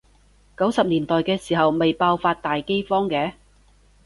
九十年代嘅時候咪爆發大饑荒嘅？